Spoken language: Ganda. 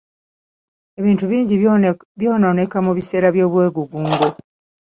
Ebintu bingi by'onooneka olw'obwegugungo.